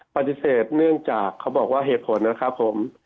ปฏิเสธเนื่องจากเขาบอกว่าเหตุผลนะครับผม